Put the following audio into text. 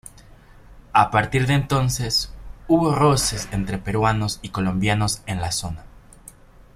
A partir de entonces, hubo roces entre peruanos y colombianos en la zona.